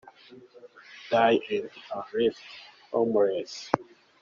die and , are left homeless.